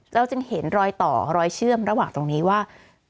เราจึงเห็นรอยต่อรอยเชื่อมระหว่างตรงนี้ว่า